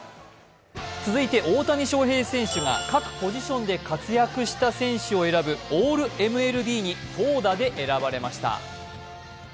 大谷翔平選手がポジションで活躍した選手を選ぶオールＭＬＢオールＭＬＢに投打で選ばれました。